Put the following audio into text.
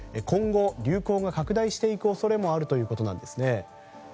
今後流行が拡大していく恐れもあるということです。